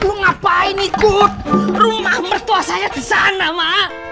lu ngapain ikut rumah mertua saya disana ma